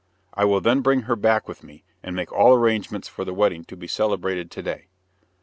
I will then bring her back with me, and make all arrangements for the wedding to be celebrated to day."